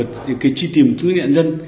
cái truy tìm tư nhân dân